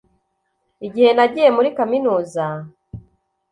igihe nagiye muri kaminuza